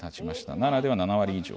奈良では７割以上。